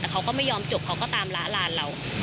แต่เขาก็ไม่ยอมจบเขาก็ตามละลานเรา